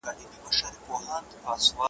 نور به لاس تر غاړي پکښی ګرځو بې پروا به سو `